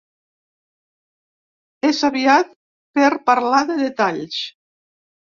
És aviat per parlar de detalls.